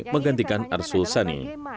menggantikan arsul sani